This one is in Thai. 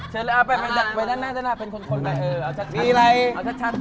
เชิญเลยไปด้านหน้าเป็นคนแต่เออเอาชัด